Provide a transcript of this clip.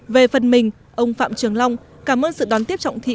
về phần mình ông phạm trường long cảm ơn sự đón tiếp trọng thị